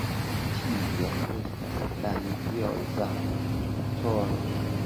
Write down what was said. Tio estas grandioza, doktoro!